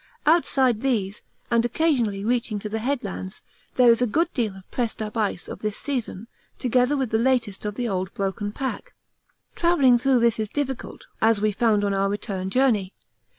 Outside these, and occasionally reaching to the headlands, there is a good deal of pressed up ice of this season, together with the latest of the old broken pack. Travelling through this is difficult, as we found on our return journey.